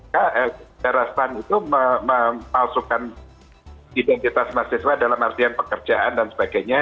sodara s a n itu memalsukan identitas mahasiswa dalam artian pekerjaan dan sebagainya